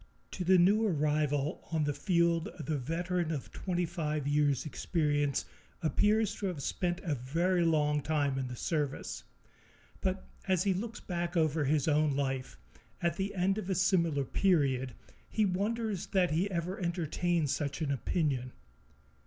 To the new arrival on the field the veteran of twenty five years' experience appears to have spent a very long time in the service; but as he looks back over his own life, at the end of a similar period, he wonders that he ever entertained such an opinion.